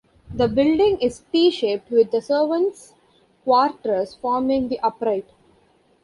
The building is "T" shaped with the servants quarters forming the upright.